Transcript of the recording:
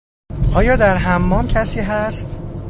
آیا در حمام کسی هست؟